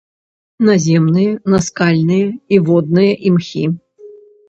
Наземныя, наскальныя і водныя імхі.